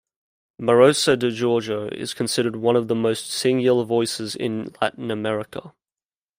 Marosa di Giorgio is considered one of the most singular voices in Latin America.